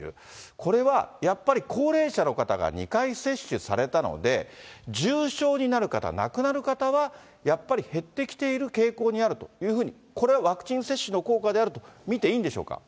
これはやっぱり、高齢者の方が２回接種されたので、重症になる方、亡くなる方は、やっぱり減ってきている傾向にあるというふうに、これはワクチン接種の効果であると見ていいんでしょうか。